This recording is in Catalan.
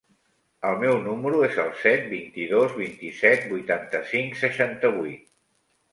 El meu número es el set, vint-i-dos, vint-i-set, vuitanta-cinc, seixanta-vuit.